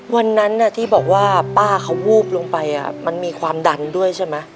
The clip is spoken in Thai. วันนั้นที่บอกว่าป้าเขาวูบลงไปมันมีความดันด้วยใช่ไหม